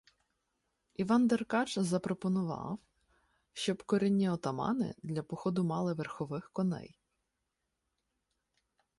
Іван Деркач запропонував, щоб курінні отамани для походу мали верхових коней.